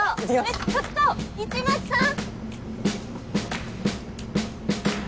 えっちょっと市松さん！